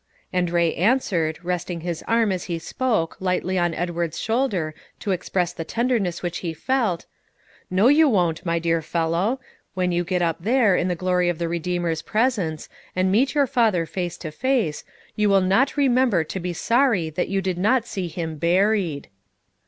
And Bay answered, resting his arm, as he spoke, lightly on Edward's shoulder, to express the tenderness which he felt, "No you won't, my dear fellow; when you get up there, in the glory of the Redeemer's presence, and meet your father face to face, you will not remember to be sorry that you did not see him buried."